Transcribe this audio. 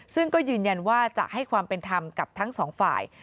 ซึ่งก็ยืนยันว่าจะให้ความเป็นธรรมกับทั้งสองฝ่าย